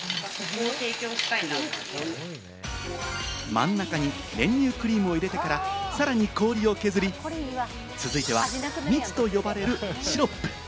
真ん中に練乳クリームを入れてから、さらに氷を削り、続いては蜜と呼ばれるシロップ。